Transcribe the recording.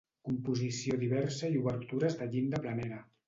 Composició diversa i obertures de llinda planera.